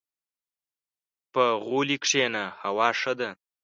• په غولي کښېنه، هوا ښه ده.